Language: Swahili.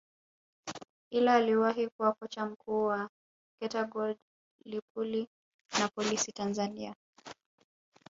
ila aliwahi kuwa kocha mkuu wa Geita Gold Lipuli na Polisi Tanzania